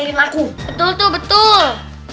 jahilin aku betul tuh betul